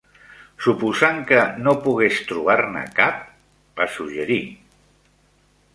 "Suposant que no pogués trobar-ne cap?" va suggerir.